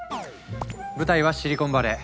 舞台はシリコンバレー。